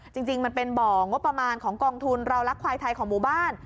จริงมันเป็นบ่องบประมาณของกองทุนเรารักควายไทยของหมู่บ้าน